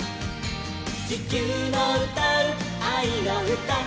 「地球のうたうあいのうた」